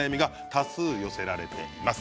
多数寄せられています。